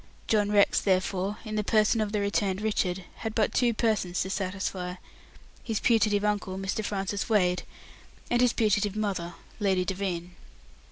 John Rex, therefore, in the person of the returned Richard, had but two persons to satisfy, his putative uncle, Mr. Francis Wade, and his putative mother, Lady Devine.